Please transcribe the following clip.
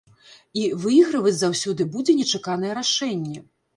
І выігрываць заўсёды будзе нечаканае рашэнне.